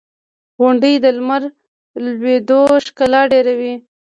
• غونډۍ د لمر لوېدو ښکلا ډېروي.